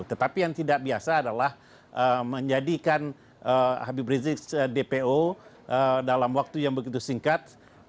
tetapi yang tidak biasa adalah menjadikan habib rizik dpo dalam waktu yang begitu singkat